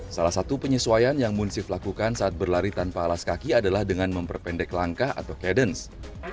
salah satu penyesuaian yang munsif lakukan saat berlari tanpa alas kaki adalah dengan memperpendek langkah atau cadence